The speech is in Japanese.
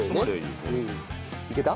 いけた？